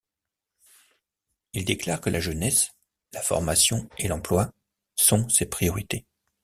Il déclare que la jeunesse, la formation et l'emploi sont ses priorités.